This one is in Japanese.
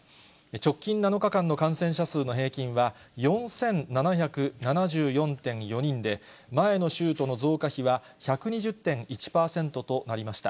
直近７日間の感染者数の平均は４７７４．４人で、前の週との増加比は１２０．１％となりました。